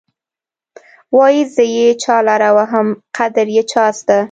وايې زه یې چا لره وهم قدر يې چا زده.